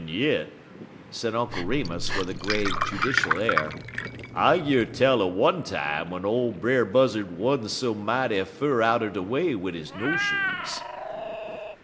"En yit," said Uncle Remus, with a grave, judicial air, "I year tell er one time w'en ole Brer Buzzard wa'n't so mighty fur outer de way wid he notions."